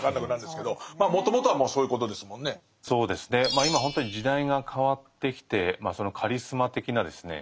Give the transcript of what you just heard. まあ今ほんとに時代が変わってきてカリスマ的なですね